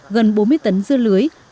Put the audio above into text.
gần bốn mươi tấn dưa lưới